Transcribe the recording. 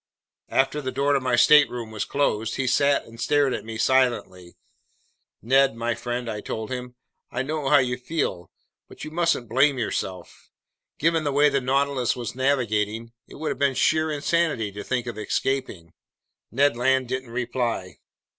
After the door to my stateroom was closed, he sat and stared at me silently. "Ned my friend," I told him, "I know how you feel, but you mustn't blame yourself. Given the way the Nautilus was navigating, it would have been sheer insanity to think of escaping!" Ned Land didn't reply.